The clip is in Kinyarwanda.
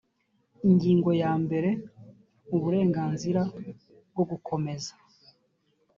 ingingo ya mbere uburenganzira bwo gukomeza